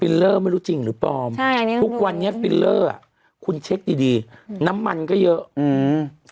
เลอร์ไม่รู้จริงหรือปลอมใช่อันนี้ทุกวันนี้ฟิลเลอร์อ่ะคุณเช็คดีดีอืมน้ำมันก็เยอะอืม